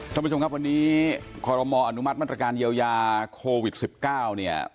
ท่านผู้ชมครับวันนี้คอรมออนุมัติมาตรการเยียวยาโควิด๑๙เนี่ย